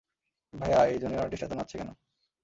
ভাইয়া, এই junior artist এত নাচছে কেন?